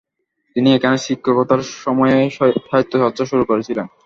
তিনি এখানে শিক্ষকতার সময়ই সাহিত্যচর্চা শুরু করেছিলেন।